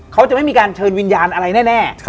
เขาจะไม่มีการเชิญวิญญาณอะไรแน่